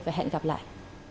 và hẹn gặp lại